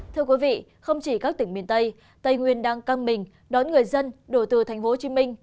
thưa quý vị không chỉ các tỉnh miền tây tây nguyên đang căng bình đón người dân đổ từ thành phố hồ chí minh